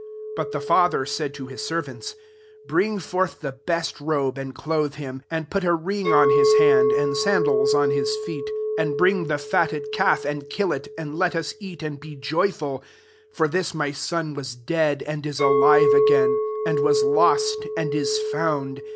22 '• But the father said to bis servants, * Bring forth the best robe, and clothe him; and pat a ring on Ms hand^ and sandaU on hi9 feet. 23 And bring the fatted calf, and kill it : 9xA let us eat and be joyful : 9A for diis . my son was dead, and is alivt . again \ [and"] [was] lost, uA is found.'